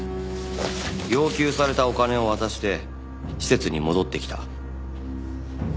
要求されたお金を渡して施設に戻ってきた。